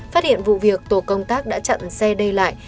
phát hiện vụ việc tổ công tác đã chặn xe đi lại